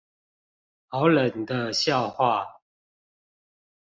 好冷的笑話